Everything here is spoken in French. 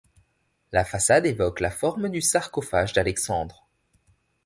La façade évoque la forme du sarcophage d’Alexandre.